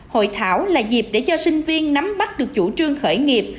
hội thảo là dịp để cho sinh viên nắm bắt được chủ trương khởi nghiệp